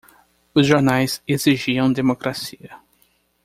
Os jornais exigiam democracia.